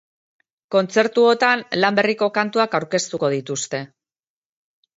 Kontzertuotan lan berriko kantuak aurkeztuko dituzte.